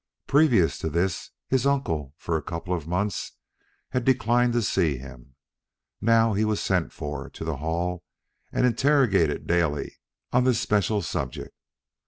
Previous to this his uncle for a couple of months had declined to see him; now he was sent for to the Hall and interrogated daily on this special subject.